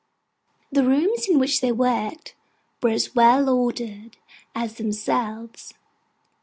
The rooms in which they worked, were as well ordered as themselves.